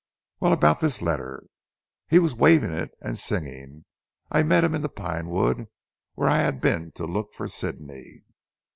"Well, about this letter?" "He was waving it and singing. I met him in the pine wood, where I had been to look for Sidney.